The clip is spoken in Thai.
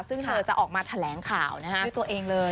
ซึ่งเธอจะออกมาแถลงข่าวด้วยตัวเองเลย